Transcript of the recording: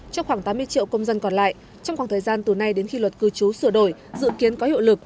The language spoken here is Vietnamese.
cho khoảng tám mươi triệu công dân còn lại trong khoảng thời gian từ nay đến khi luật cư trú sửa đổi dự kiến có hiệu lực